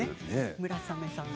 村雨さん。